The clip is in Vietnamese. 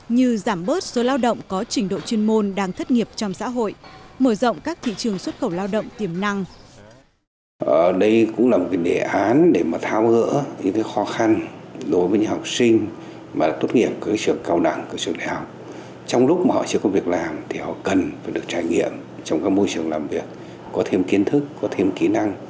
như giảm bớt số lao động có trình độ chuyên môn đang thất nghiệp trong xã hội mở rộng các thị trường xuất khẩu lao động tiềm năng